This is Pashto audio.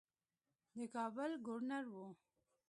د کابل ګورنر وو.